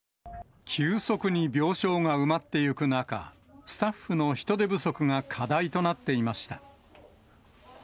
急速に病床が埋まっていく中、スタッフの人手不足が課題となっていました。